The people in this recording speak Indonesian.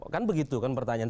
kan begitu kan pertanyaan